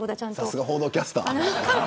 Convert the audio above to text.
さすが報道キャスター。